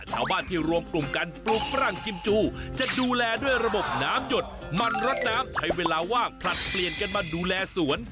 ชาวบ้านที่รวมกลุ่มกันปลูกฝรั่งกิมจูจะดูแลด้วยระบบน้ำหยดมันรดน้ำใช้เวลาว่างผลัดเปลี่ยนกันมาดูแลสวน